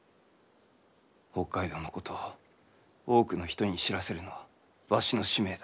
北海道のことを多くの人に知らせるのはわしの使命だ。